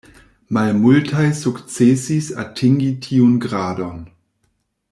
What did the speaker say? Malmultaj sukcesis atingi tiun gradon.